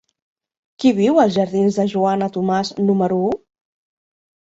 Qui viu als jardins de Joana Tomàs número u?